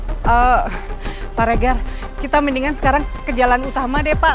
pak regar kita mendingan sekarang ke jalan utama deh pak